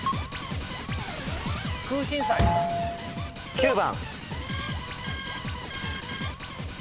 ９番。